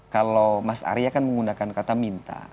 kalau mas arya kan menggunakan kata minta